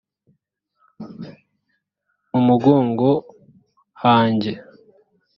mu mugongo hanjye